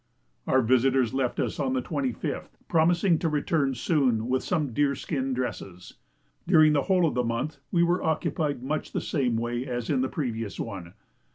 Our visitors left us on the 25th, promising to return soon with some deer skin dresses. During the whole of the month we were occupied much the same way as in the previous one.